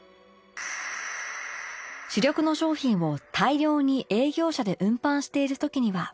主力の商品を大量に営業車で運搬している時には